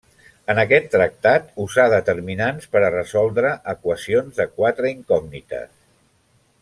En aquest tractat usà determinants per a resoldre equacions de quatre incògnites.